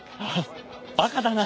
バカだな。